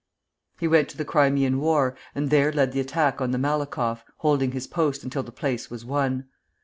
He went to the Crimean War, and there led the attack on the Malakoff, holding his post until the place was won.